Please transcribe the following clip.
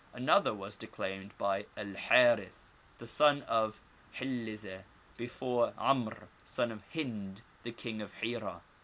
Another was declaimed by El Harith, son of Hillizeh, before *Amr, son of Hind, the king of Hira.